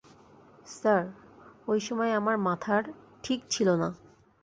Sir, ঐ সময় আমার মাথার ঠিক ছিল না।